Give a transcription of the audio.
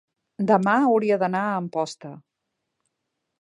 demà hauria d'anar a Amposta.